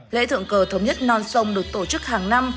lễ thượng cờ thống nhất non sông được tổ chức hàng năm